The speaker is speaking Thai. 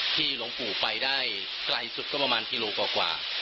หลวงปู่ไปได้ไกลสุดก็ประมาณกิโลกว่า